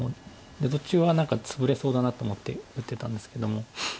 で途中は何かツブれそうだなと思って打ってたんですけども。